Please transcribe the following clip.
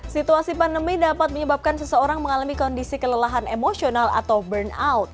situasi pandemi dapat menyebabkan seseorang mengalami kondisi kelelahan emosional atau burnout